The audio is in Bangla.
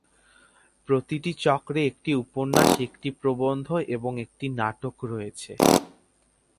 প্রতিটি চক্রে একটি উপন্যাস, একটি প্রবন্ধ এবং একটি নাটক রয়েছে।